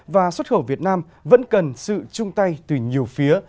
và xuất khẩu việt nam vẫn cần sự chung tay từ nhiều phía